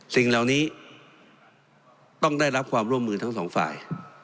สิ่งเหล่านี้ต้องได้รับความร่วมมือทั้งสองฝ่าย